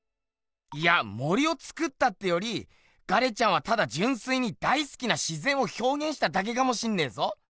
いや森をつくったってよりガレちゃんはただじゅんすいに大すきな自ぜんをひょうげんしただけかもしんねえぞ。